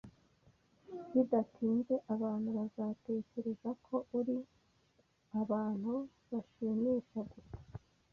bidatinze abantu bazatekereza ko uri abantu-bashimisha gusa.